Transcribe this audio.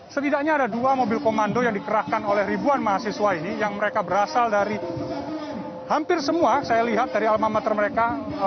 setidaknya ada dua mobil komando yang dikerahkan oleh ribuan mahasiswa ini yang mereka berasal dari hampir semua saya lihat dari almamater mereka